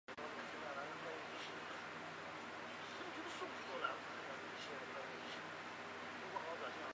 随后王承恩也吊死于旁边的海棠树上。